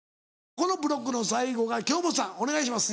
このブロックの最後が京本さんお願いします。